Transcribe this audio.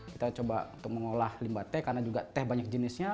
kita coba untuk mengolah limbah teh karena juga teh banyak jenisnya